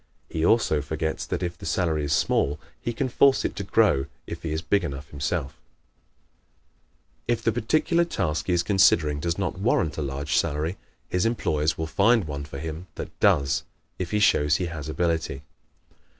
He also forgets that if the salary is small he can force it to grow if he is big enough himself. If the particular task he is considering does not warrant a large salary, his employers will find one for him that does if he shows he has ability.